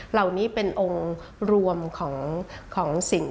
เหล่านี้เป็นองค์รวมของสิ่ง